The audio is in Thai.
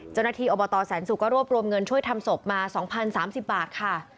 เจ้าหน้าที่อบตแสนสุกก็รวบรวมเงินช่วยทำศพมา๒๐๓๐บาทค่ะ